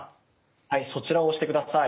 はいそちらを押して下さい。